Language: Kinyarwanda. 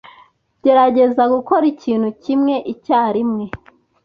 Gerageza gukora ikintu kimwe icyarimwe.